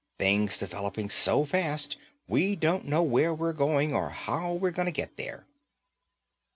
Things developing so fast we don't know where we're going or how we're going to get there."